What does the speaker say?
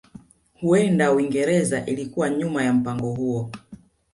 Huenda Uingereza ilikuwa nyuma ya mpango huo